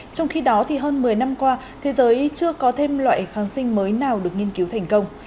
trong khi đó thì hơn một mươi năm qua thế giới chưa có thêm loại kháng sinh mới nào được nghiên cứu thành công